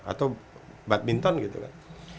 atau badminton gitu kan